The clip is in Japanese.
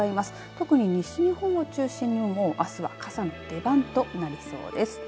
特に西日本を中心にあすは傘の出番となりそうです。